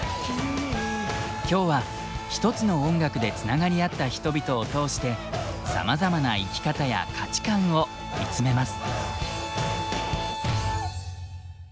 今日はひとつの音楽でつながり合った人々を通してさまざまな生き方や価値観を見つめます。